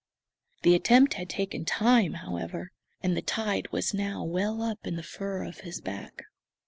The attempt had taken time, however; and the tide was now well up in the fur of his back.